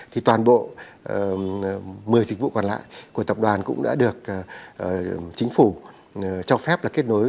thì toàn bộ một mươi dịch vụ còn lại của tập đoàn cũng đã được chính phủ cho phép là kết nối